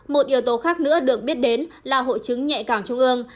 một yếu tố khác nữa được biết đến là hội chứng nhạy cảm trung ương